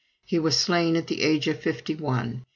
He was slain at the age of fifty one.